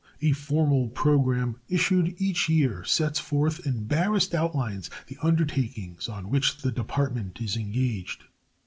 A formal program issued each year sets forth in barest outlines the undertakings on which the Department is engaged.